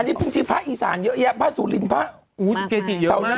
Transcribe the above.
อันนี้พรุ่งชีพพระอีสานเยอะแยะพระสุรินทร์พระอุ้ยเกจิตเยอะมาก